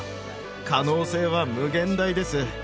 可能性は無限大です。